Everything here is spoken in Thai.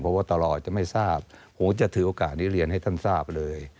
เพราะว่าตลอดจะไม่ทราบผมจะถือโอกาสนี้เรียนให้ท่านทราบเลย